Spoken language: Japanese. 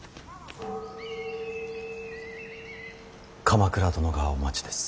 鎌倉殿がお待ちです。